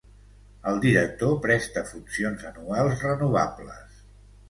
El director presta funcions anuals renovables.